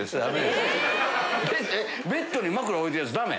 ベッドに枕置いてるヤツダメ？